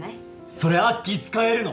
それアッキー使えるの？